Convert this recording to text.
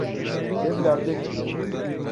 Lêv li erdê kiriye.